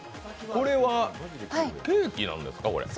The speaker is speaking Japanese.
これはケーキなんですか？